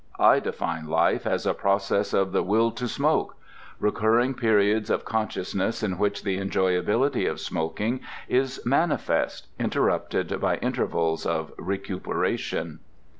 I define life as a process of the Will to Smoke: recurring periods of consciousness in which the enjoyability of smoking is manifest, interrupted by intervals of recuperation.